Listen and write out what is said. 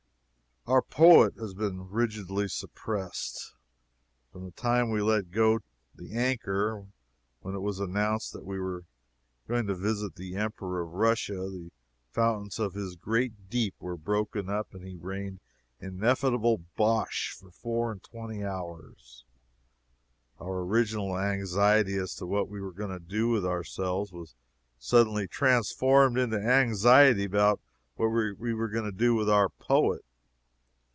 Our poet has been rigidly suppressed, from the time we let go the anchor. When it was announced that we were going to visit the Emperor of Russia, the fountains of his great deep were broken up, and he rained ineffable bosh for four and twenty hours. Our original anxiety as to what we were going to do with ourselves, was suddenly transformed into anxiety about what we were going to do with our poet.